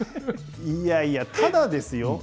いやいや、ただですよ、